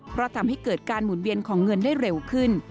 เพราะทำให้เกิดการหมุนเวียนของเงินได้เร็วขึ้น